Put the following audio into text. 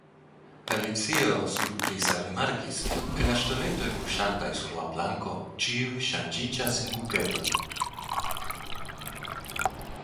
Alicio surprize rimarkis ke la ŝtonetoj kuŝantaj sur la planko ĉiuj ŝanĝiĝas en kuketojn.